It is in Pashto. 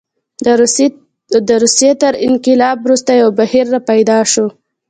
د روسیې تر انقلاب وروسته یو بهیر راپیدا شو.